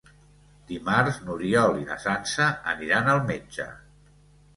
Dimarts n'Oriol i na Sança aniran al metge.